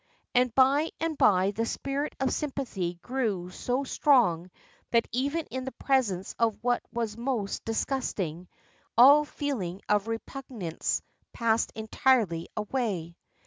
And by and by the spirit of sympathy grew so strong that even in the presence of what was most disgusting all feeling of repugnance passed entirely away.